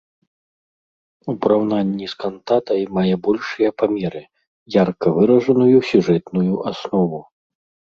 У параўнанні з кантатай мае большыя памеры, ярка выражаную сюжэтную аснову.